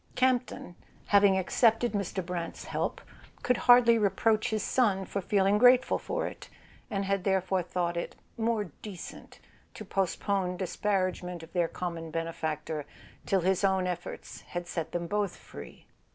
Campton, having accepted Mr. Brant's help, could hardly reproach his son for feeling grateful for it, and had therefore thought it "more decent" to postpone disparagement of their common benefactor till his own efforts had set them both free.